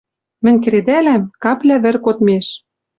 Мӹнь кредӓлӓм, капля вӹр кодмеш.